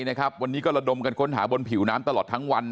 วันนี้ก็ระดมกันค้นหาบนผิวน้ำตลอดทั้งวัน